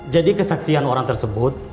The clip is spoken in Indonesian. jadi kesaksian orang tersebut